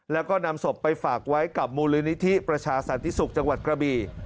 แล้วก็นำศพไปฝากไว้กับมูลนิธิประชาสันติศุกร์จังหวัดกระบี